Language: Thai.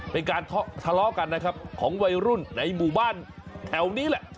เป็นการทะเลาะกันนะครับของวัยรุ่นในหมู่บ้านแถวนี้แหละ